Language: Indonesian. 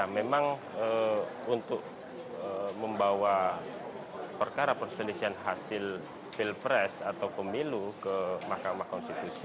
memang untuk membawa perkara perselisihan hasil pilpres seperti itu ke makamah konstitusi